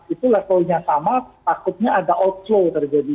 itu levelnya sama takutnya ada outflow terjadi